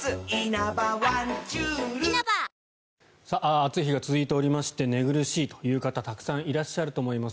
暑い日が続いておりまして寝苦しいと思う方たくさんいらっしゃると思います。